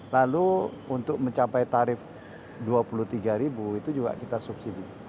lalu untuk mencapai tarif rp dua puluh tiga itu juga kita subsidi